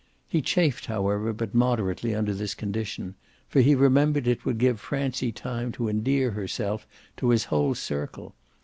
He chafed however but moderately under this condition, for he remembered it would give Francie time to endear herself to his whole circle.